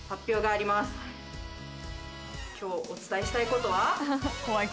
今日お伝えしたいことは。